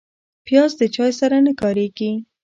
پیاز د چای سره نه کارېږي